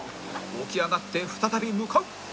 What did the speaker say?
起き上がって再び向かう！